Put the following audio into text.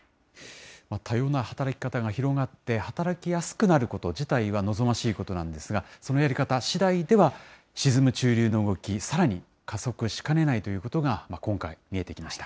多様な働き方が広がって、働きやすくなること自体は望ましいことなんですが、そのやり方しだいでは、沈む中流の動き、さらに加速しかねないということが、今回、見えてきました。